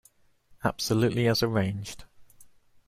Absolutely as arranged.